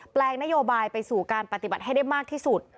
แปลงนโยบายไปสู่การปฏิบัติให้ได้มากที่สุด